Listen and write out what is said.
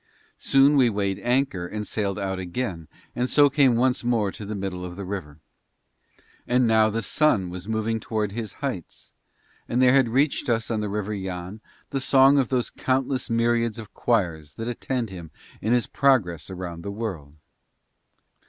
Soon we weighed anchor, and sailed out again, and so came once more to the middle of the river. And now the sun was moving towards his heights, and there had reached us on the River Yann the song of those countless myriads of choirs that attend him in his progress round the world.